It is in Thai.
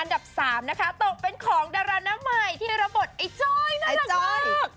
อันดับ๓นะคะเป็นของดารานำใหม่ที่ระบบไอ้จ้อยน่ารักมาก